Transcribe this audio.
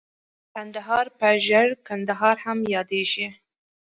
کندهار په ژړ کندهار هم ياديږي.